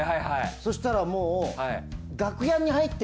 そうしたらもう。